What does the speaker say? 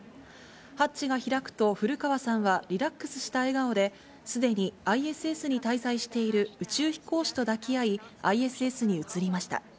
ハッチが開くと古川さんはリラックスした笑顔で、すでにＩＳＳに滞在している宇宙飛行士と抱き合い、ＩＳＳに移りました。